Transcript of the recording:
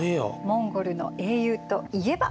モンゴルの英雄といえば！